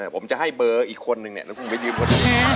ผมจะให้เบอร์อีกคนนึงแล้วคุณไปยืมกัน